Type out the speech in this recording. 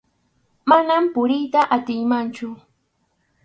Manam puriyta atinmanchu.